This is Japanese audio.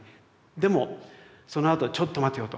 でもそのあとちょっと待てよと。